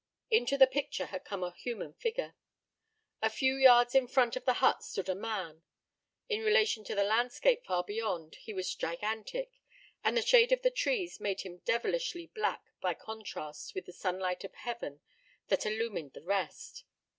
Into the picture had come a human figure. A few yards in front of the hut stood a man. In relation to the landscape far beyond he was gigantic, and the shade of the trees made him devilishly black by contrast with the sunlight of heaven that illumined the rest.